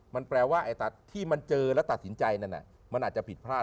มันแปลว่าที่มันเจอและตัดสินใจมันอาจจะผิดพลาด